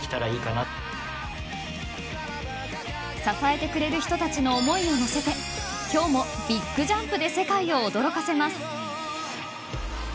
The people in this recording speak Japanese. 支えてくれる人たちの思いを乗せて今日もビッグジャンプで世界を驚かせます。